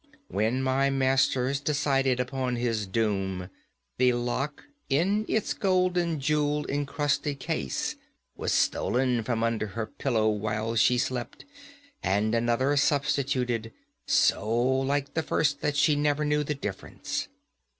When my masters decided upon his doom, the lock, in its golden, jewel encrusted case, was stolen from under her pillow while she slept, and another substituted, so like the first that she never knew the difference.